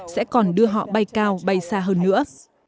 sẽ còn đưa họ bay cao bay xa hơn nữa